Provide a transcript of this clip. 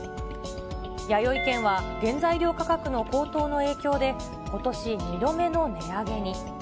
やよい軒は原材料価格の高騰の影響で、ことし２度目の値上げに。